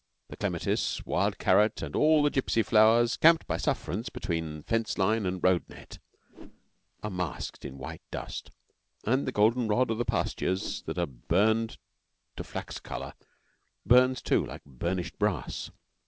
The clematis, wild carrot, and all the gipsy flowers camped by sufferance between fence line and road net are masked in white dust, and the golden rod of the pastures that are burned to flax colour burns too like burnished brass.